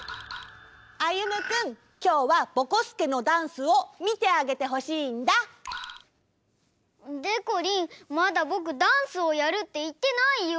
歩くんきょうはぼこすけのダンスをみてあげてほしいんだ！でこりんまだぼくダンスをやるっていってないよ！